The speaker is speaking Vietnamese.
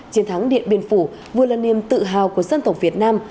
chiến thắng điện biên phủ vừa là niềm tự hào của dân tộc việt nam